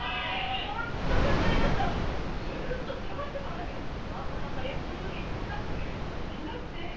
ずっと探してたんだけどなかなか休みの日に手伝ってくれる人なんていなくて。